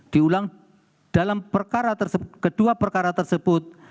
diulang dalam perkara kedua perkara tersebut